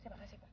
terima kasih pak